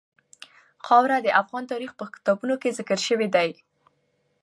خاوره د افغان تاریخ په کتابونو کې ذکر شوي دي.